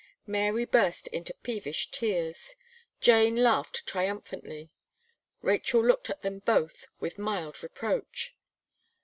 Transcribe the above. Mary burst into peevish tears. Jane laughed triumphantly. Rachel looked at them both with mild reproach.